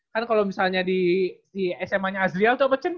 kan kalo misalnya di sma nya azriel tuh apa cen